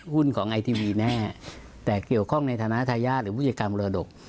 หุ้นของไอทีวีแน่แต่เกี่ยวข้องในฐานะทายาทหรือผู้จัดการมรดก